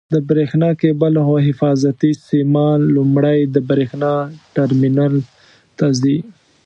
د برېښنا کېبل او حفاظتي سیمان لومړی د برېښنا ټرمینل ته ځي.